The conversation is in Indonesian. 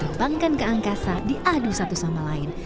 terbangkan ke angkasa diadu satu sama lain